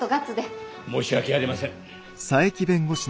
申し訳ありません。